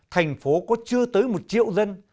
thành phố có chưa tới một triệu dân